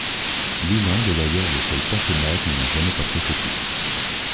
Leland est d'ailleurs le seul personnage ayant jamais porté ce titre.